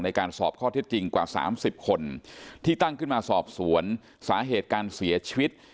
การสอบข้อเท็จจริงกว่า๓๐คนที่ตั้งขึ้นมาสอบสวนสาเหตุการเสียชีวิต